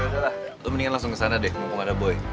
yaudah lah lo mendingan langsung kesana deh mumpung ada boy